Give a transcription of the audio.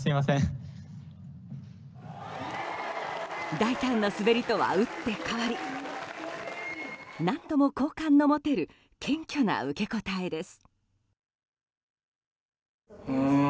大胆な滑りとは打って変わり何とも好感の持てる謙虚な受け答えです。